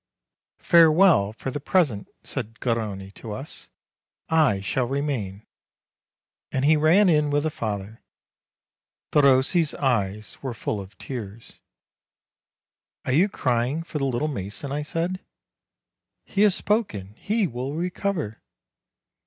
"Farewell for the present," said Garrone to us; "I shall remain," and he ran in with the father. Derossi's eyes were full of tears. 200 MARCH "Are you crying for the little mason?" I said. "He has spoken; he will recover."